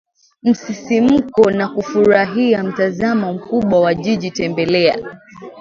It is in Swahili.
msisimko na kufurahia mtazamo mkubwa wa jiji Tembelea